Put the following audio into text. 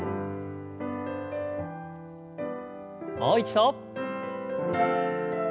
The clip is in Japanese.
もう一度。